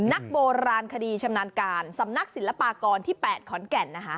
นักโบราณคดีชำนาญการสำนักศิลปากรที่๘ขอนแก่นนะคะ